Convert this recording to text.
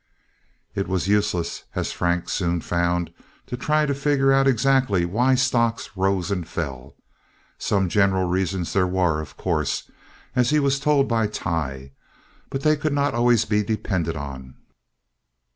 It was useless, as Frank soon found, to try to figure out exactly why stocks rose and fell. Some general reasons there were, of course, as he was told by Tighe, but they could not always be depended on.